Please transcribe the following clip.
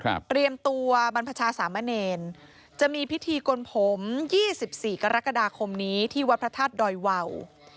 ประเภทที่เตรียมตัวบรรพชาสามะเนญจะมีพิธีกลพรหม๒๔กรกฎาคมนี้ที่วัดพระธาตุดอยเวา